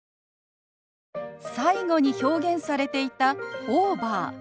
最後に表現されていた「オーバー」。